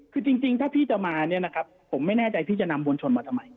คือจริงถ้าพี่จะมาเนี่ยนะครับผมไม่แน่ใจพี่จะนำมวลชนมาทำไม